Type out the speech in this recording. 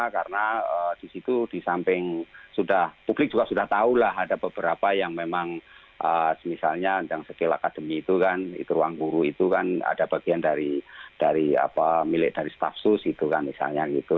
karena di situ di samping sudah publik juga sudah tahu lah ada beberapa yang memang misalnya yang segel akademi itu kan itu ruang guru itu kan ada bagian dari milik dari staff sus itu kan misalnya gitu